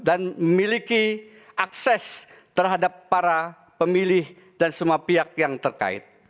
dan memiliki akses terhadap para pemilih dan semua pihak yang terkait